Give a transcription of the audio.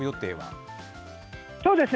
そうですね。